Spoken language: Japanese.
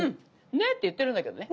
「ね」って言ってるんだけどね